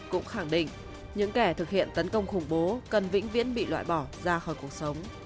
cũng khẳng định những kẻ thực hiện tấn công khủng bố cần vĩnh viễn bị loại bỏ ra khỏi cuộc sống